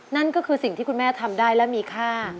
นั่นก็คือสิ่งที่คุณแม่ทำได้และมีค่า